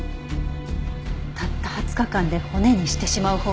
たった２０日間で骨にしてしまう方法